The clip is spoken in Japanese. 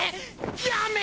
やめ！